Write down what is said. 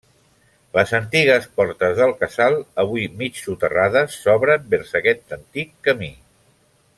Les antigues portes del casal, avui mig soterrades, s'obren ver aquest antic camí.